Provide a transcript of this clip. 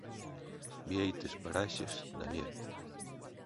Bieites Paraxes, Daniel.